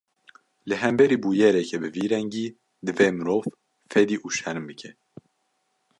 Li hemberî bûyereke bi vî rengî, divê mirov fedî û şerm bike